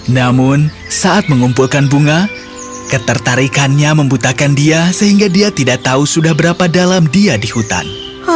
namun saat mengumpulkan bunga ketertarikannya membutakan dia sehingga dia tidak tahu sudah berapa dalam dia di hutan